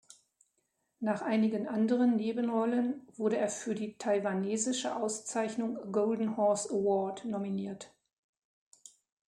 Nach einigen anderen Nebenrollen wurde er für die taiwanesische Auszeichnung Golden Horse Award nominiert.